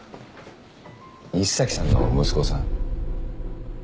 西崎さんの息子さん。